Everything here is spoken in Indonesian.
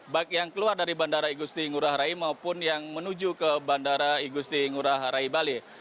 baik yang keluar dari bandara igusti ngurah rai maupun yang menuju ke bandara igusti ngurah rai bali